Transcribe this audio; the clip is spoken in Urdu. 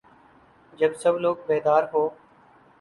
جب سب لوگ بیدار ہو